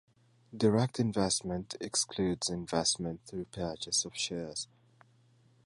Direct investment excludes investment through purchase of shares.